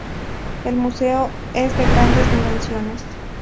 El museo es de grandes dimensiones.